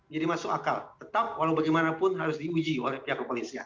jadi masuk akal tetap walaubagaimanapun harus diuji oleh pihak polisian